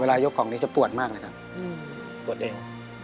เวลายกของนี้จะปวดมากนะครับปวดเอว